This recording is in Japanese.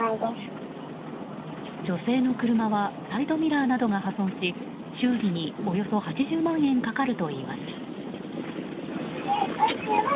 女性の車はサイドミラーなどが破損し修理におよそ８０万円かかるといいます。